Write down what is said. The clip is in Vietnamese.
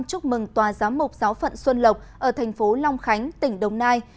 chúc mừng tòa giám mục giáo phận xuân lộc ở thành phố long khánh tỉnh đồng nai